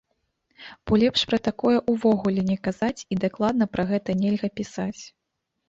Бо лепш пра такое ўвогуле не казаць і дакладна пра гэта нельга пісаць.